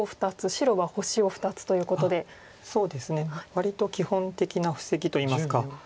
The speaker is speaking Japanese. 割と基本的な布石といいますか。